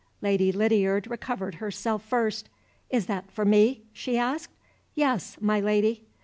Lady Lydiard recovered herself first. "Is that for me?" she asked. "Yes, my Lady."